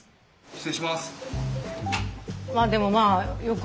失礼します。